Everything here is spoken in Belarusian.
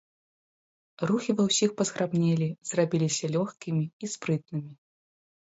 Рухі ва ўсіх пазграбнелі, зрабіліся лёгкімі і спрытнымі.